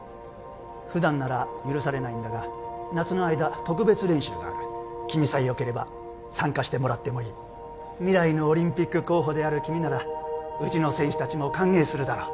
普段なら許されないんだが夏の間特別練習がある君さえよければ参加してもらってもいい未来のオリンピック候補である君ならうちの選手達も歓迎するだろう